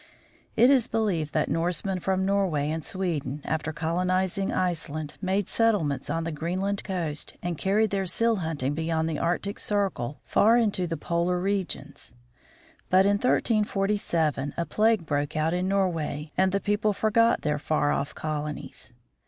It is believed that Norsemen from Norway and Sweden, after colonizing Iceland, made settlements on the Green land coast and carried their seal hunting beyond the Arctic circle, far into the polar regions. But in 1347 a plague broke out in Norway, and the people forgot their far off colonies.